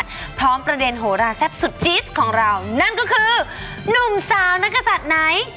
เธอต้องสดแล้วถึงจะรวยนะ